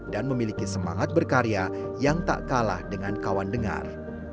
dan memiliki semangat berkarya yang tak kalah dengan kawan dengar